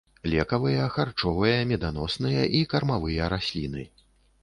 Лекавыя, харчовыя, меданосныя і кармавыя расліны.